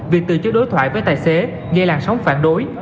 việc từ chối đối thoại với tài xế nghe làn sóng phản đối